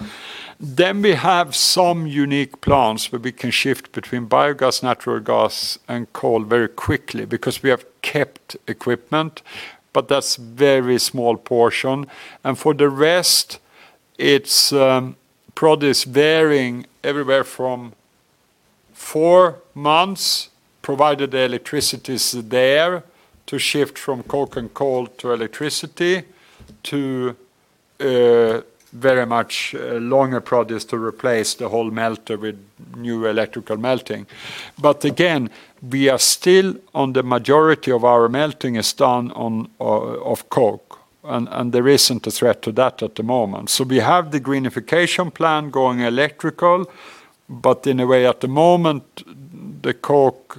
We have some unique plants where we can shift between biogas, natural gas, and coal very quickly because we have kept equipment, but that's very small portion. For the rest, it's produce varying everywhere from 4 months, provided the electricity is there, to shift from coke and coal to electricity to very much longer produce to replace the whole melter with new electrical melting. Again, we are still on the majority of our melting is done on of coke, and there isn't a threat to that at the moment. We have the greenification plan going electrical, but in a way, at the moment, the coke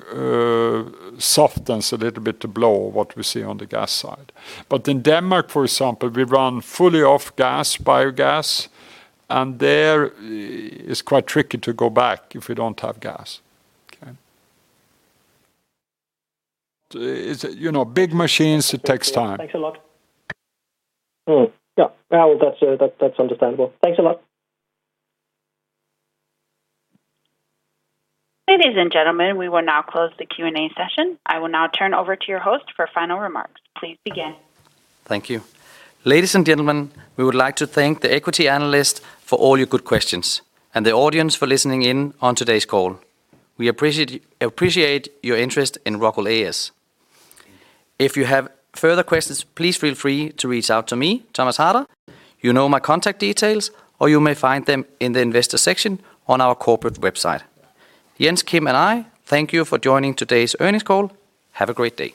softens a little bit the blow of what we see on the gas side. In Denmark, for example, we run fully off gas, biogas, and there it's quite tricky to go back if we don't have gas. Okay? It's, you know, big machines, it takes time. Thanks a lot. Yeah. That's understandable. Thanks a lot. Ladies and gentlemen, we will now close the Q&A session. I will now turn over to your host for final remarks. Please begin. Thank you. Ladies and gentlemen, we would like to thank the equity analysts for all your good questions and the audience for listening in on today's call. We appreciate your interest in ROCKWOOL A/S. If you have further questions, please feel free to reach out to me, Thomas Harder. You know my contact details, or you may find them in the investor section on our corporate website. Jens, Kim, and I thank you for joining today's earnings call. Have a great day.